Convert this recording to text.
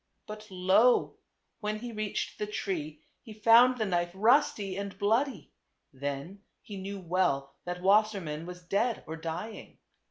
But lo ! when he reached the tree, he found the knife rusty and bloody ; then he knew well that Wassermann was dead or dying.